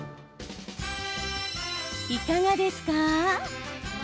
いかがですか？